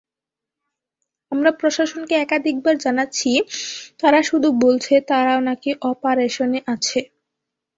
আমরা প্রশাসনকে একাধিকবার জানাচ্ছি, তারা শুধু বলছে তারাও নাকি অপারেশনে আছে।